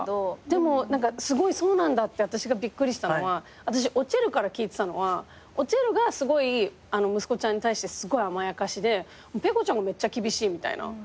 でもすごいそうなんだって私がびっくりしたのは私おちぇるから聞いてたのはおちぇるが息子ちゃんに対してすごい甘やかしでｐｅｃｏちゃんがめっちゃ厳しいみたいな。